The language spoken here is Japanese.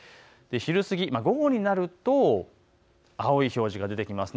昼過ぎ、午後になると、青い表示が出てきます。